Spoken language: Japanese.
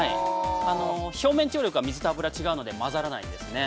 表面張力は水と油は違うので混ざらないですね。